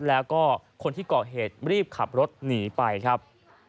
แล้วก็คนที่เกาะเหตุรีบขับรถหนีไปครับ